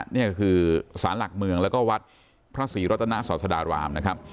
นี่คือสารหลักเมืองแล้วก็วัดพระศรีรัตนศาสดารามนะครับ